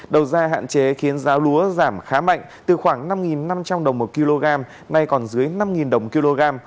đầu ra hạn chế khiến giá lúa giảm khá mạnh từ khoảng năm năm trăm linh đồng một kg nay còn dưới năm đồng kg